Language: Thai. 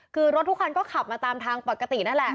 คือรถทุกคันก็ขับมาตามทางปกตินั่นแหละ